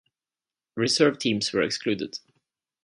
Reserve teams were excluded.